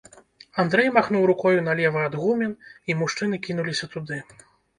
Андрэй махнуў рукою налева ад гумен, і мужчыны кінуліся туды.